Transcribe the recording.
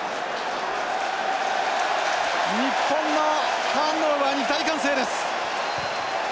日本のターンオーバーに大歓声です！